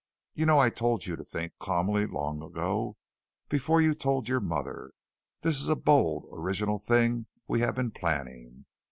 You know I told you to think calmly long ago before you told your mother. This is a bold, original thing we have been planning.